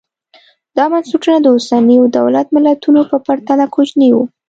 دا بنسټونه د اوسنیو دولت ملتونو په پرتله کوچني وو